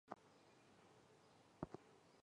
以武则天和唐高宗李治合葬墓干陵出名。